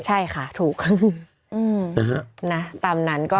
ใช่ค่ะถูกอื้อฮึนะตามนั้นก็